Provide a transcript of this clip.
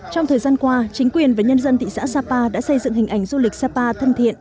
trong thời gian qua chính quyền và nhân dân thị xã sapa đã xây dựng hình ảnh du lịch sapa thân thiện